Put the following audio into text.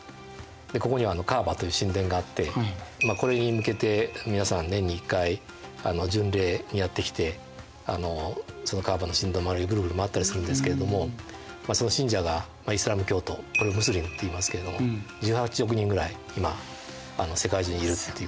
ここにはカーバという神殿があってこれに向けて皆さん年に１回巡礼にやって来てそのカーバの神殿の周りをグルグル回ったりするんですけれどもその信者がイスラーム教徒これムスリムっていいますけれども１８億人ぐらい今世界中にいるっていうことですね。